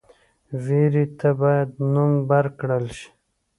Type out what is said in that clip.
ویرې ته باید نوم ورکړل شي.